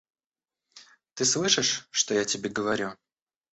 Ты слышишь, что я тебе говорю?